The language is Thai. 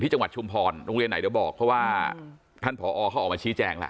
จังหวัดชุมพรโรงเรียนไหนเดี๋ยวบอกเพราะว่าท่านผอเขาออกมาชี้แจงแล้ว